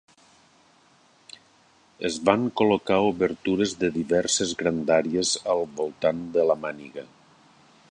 Es van col·locar obertures de diverses grandàries al voltant de la màniga.